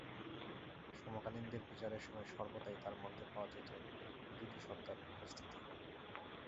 সমকালীনদের বিচারের সময় সর্বদাই তার মধ্যে পাওয়া যেত দুইটি সত্তার উপস্থিতি।